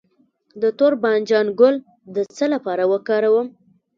د تور بانجان ګل د څه لپاره وکاروم؟